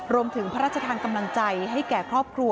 รวมถึงพระราชทานกำลังใจให้แก่ครอบครัว